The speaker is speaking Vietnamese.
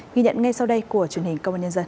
ghi nhận ngay sau đây của truyền hình công an nhân dân